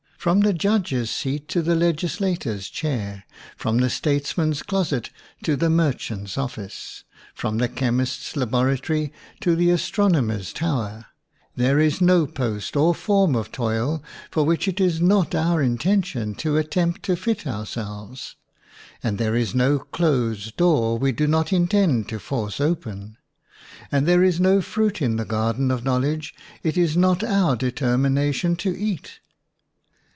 From the judge's seat to the legisla tor's chair; from the statesman's closet to the merchant's office; from the chem ist's laboratory to the astronomer's WOMAN AND WAR tower, there is no post or form of toil for which it is not our intention to at tempt to fit ourselves; and there is no closed door we do not intend to force open ; and there is no fruit in the gar den of knowledge it is not our determi nation to eat.